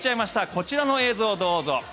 こちらの映像をどうぞ。